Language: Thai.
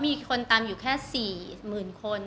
มีคนตามอยู่แค่๔หมื่นคน